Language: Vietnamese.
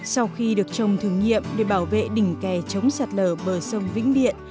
sau khi được trồng thử nghiệm để bảo vệ đỉnh kè chống sạt lở bờ sông vĩnh điện